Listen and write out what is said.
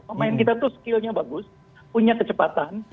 pemain kita tuh skillnya bagus punya kecepatan